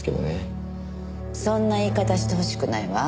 そんな言い方してほしくないわ。